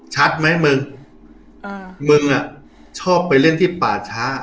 ชัดไหมมึงอ่ามึงมึงอ่ะชอบไปเล่นที่ป่าช้า